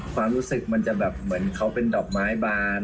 ความรู้สึกมันจะแบบเหมือนเขาเป็นดอกไม้บาน